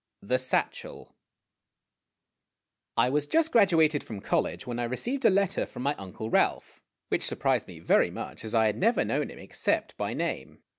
THE SATCHEL WAS just graduated from college, when I received a letter from my uncle Ralph, which surprised me very much, as I had never known him except by name.